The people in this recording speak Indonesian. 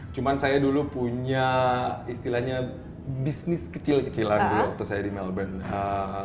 cuma saya dulu punya istilahnya bisnis kecil kecilan dulu waktu saya di melbourne